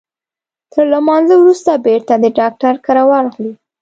تر لمانځه وروسته بیرته د ډاکټر کره ورغلو.